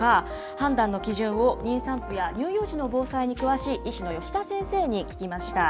判断の基準を妊産婦や乳幼児の防災に詳しい医師の吉田先生に聞きました。